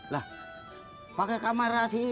lah pakai kamera si citra sama si nek lho